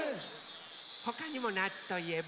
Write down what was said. ほかにもなつといえば？